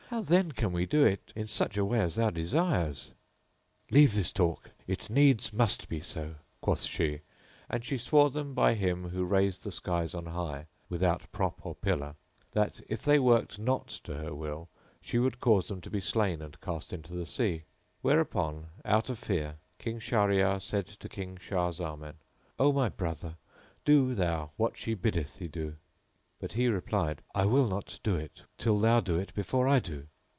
How then can we do it in such a way as thou desirest"?" "Leave this talk: it needs must be so;" quoth she, and she swore them by Him[FN#16] who raised the skies on high, without prop or pillar, that, if they worked not her will, she would cause them to be slain and cast into the sea. Whereupon out of fear King Shahryar said to King Shah Zaman, "O my brother, do thou what she biddeth thee do;" but he replied, "I will not do it till thou do it before I do."